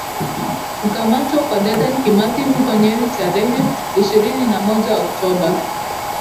Kukamatwa kwa Dedan Kimathi huko Nyeri tarehe ishirini na moja Oktoba